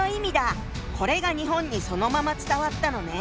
これが日本にそのまま伝わったのね。